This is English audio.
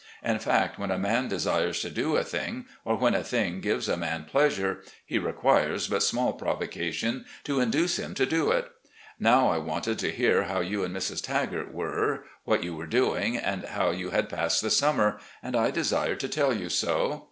In fact, when a man desires to do a thing, or when a thing gives a man pleasure, he LAST DAYS 433 requires but small provocation to induce him to do it. Now I wanted to hear how you and Mrs. Tagart were, what you were doing, and how you had passed the summer, and I desired to tell you so.